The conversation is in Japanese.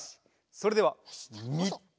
それではみっつ！